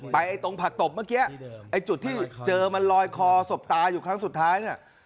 ไอ้ตรงผักตบเมื่อกี้ไอ้จุดที่เจอมันลอยคอสบตาอยู่ครั้งสุดท้ายเนี่ย